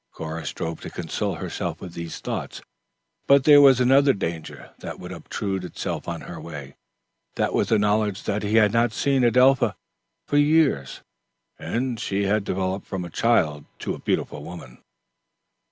Cora strove to console herself with these thoughts; but there was another danger that would obtrude itself in her way. That was the knowledge that he had not seen Adelpha for years, and she had developed from a child to a beautiful woman.